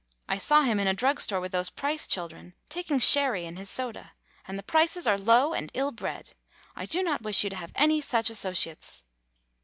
I saw him in a drug store with those Price children, taking sherry in his soda; and the Prices are low and ill bred. I do not wish you to have any such associates."